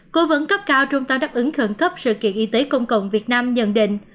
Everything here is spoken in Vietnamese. cố vấn cấp cao trung tâm đáp ứng khẩn cấp sự kiện y tế công cộng việt nam nhận định